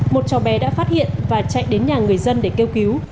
một cháu bé đã phát hiện và chạy đến nhà người dân để kêu cứu